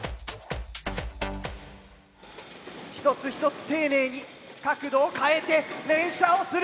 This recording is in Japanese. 一つ一つ丁寧に角度を変えて連射をする。